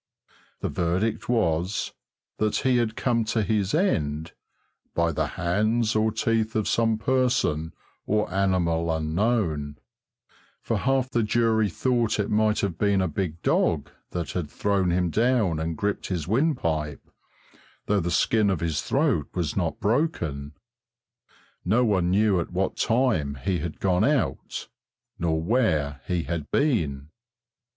The verdict was that he had come to his end "by the hands or teeth of some person or animal unknown," for half the jury thought it might have been a big dog that had thrown him down and gripped his windpipe, though the skin of his throat was not broken. No one knew at what time he had gone out, nor where he had been.